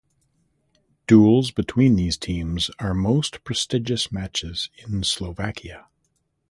Duels between these teams are most prestigious matches in Slovakia.